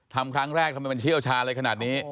ทำครั้งแรกทำไมเป็นเชี่ยวชาลเลยขนาดนี้